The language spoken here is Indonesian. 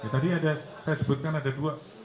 tadi ada saya sebutkan ada dua